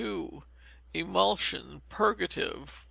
Emulsion, Purgative.